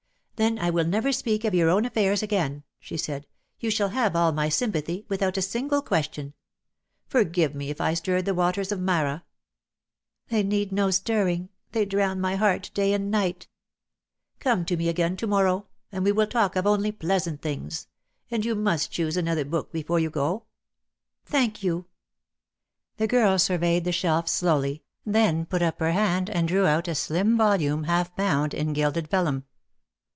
DEAD LOVE HAS CHAINS. ^^ "Then I will never speak of your own affairs again," she said. "You shall have all my sympathy, without a single question. Forgive me if I stirred the waters of Marah." "They need no stirring. They drown my heart day and night." ,■ "Come to me again to morrow; and we will talk of only pleasant things. And you must choose an other book before you go." "Thank you." The girl surveyed the shelf slowly, then put up her hand and drew out a slim volume half bound in gilded vellum.